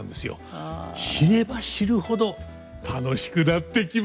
知れば知るほど楽しくなってきますよ！